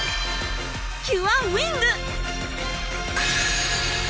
キュアウィング！